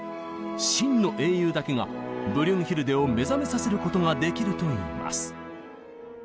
真の英雄だけがブリュンヒルデを目覚めさせることができるといいます。